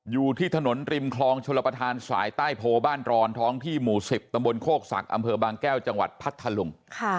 อยู่ที่ถนนริมคลองชลประธานสายใต้โพบ้านรอนท้องที่หมู่๑๐ตำบลโคกศักดิ์อำเภอบางแก้วจังหวัดพัทธลุง